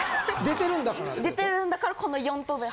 出てるんだからこの４等分。